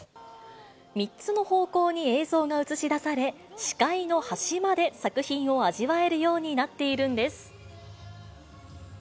３つの方向に映像が映し出され、視界の端まで作品を味わえるようになっているんです。